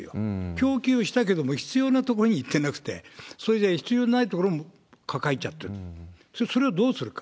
供給したけども必要な所に行ってなくて、それで必要ない所も抱えちゃって、それをどうするか。